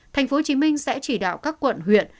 tp hcm sẽ chỉ đạo các quận huyện